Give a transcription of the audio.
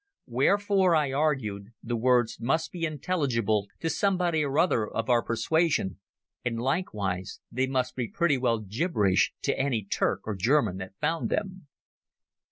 Wherefore, I argued, the words must be intelligible to somebody or other of our persuasion, and likewise they must be pretty well gibberish to any Turk or German that found them.